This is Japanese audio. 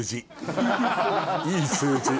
いい数字？